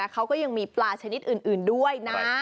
เขาก็ยังมีปลาชนิดอื่นด้วยนะ